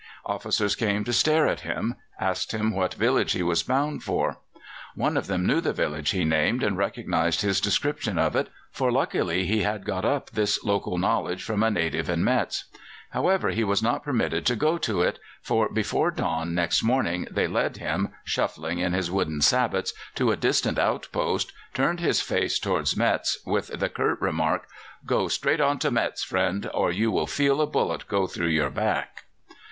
Officers came to stare at him, asked him what village he was bound for. One of them knew the village he named, and recognized his description of it, for luckily he had got up this local knowledge from a native in Metz. However, he was not permitted to go to it, for before dawn next morning they led him, shuffling in his wooden sabots, to a distant outpost, turned his face towards Metz, with the curt remark: "Go straight on to Metz, friend, or you will feel a bullet go through your back."